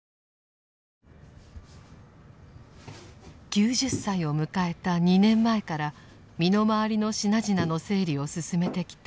９０歳を迎えた２年前から身の回りの品々の整理を進めてきた澤地さん。